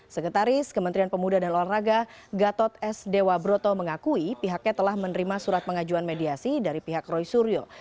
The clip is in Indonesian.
sekretaris kementerian pemuda dan olahraga gatot s dewa broto mengakui pihaknya telah menerima surat pengajuan mediasi dari pihak roy suryo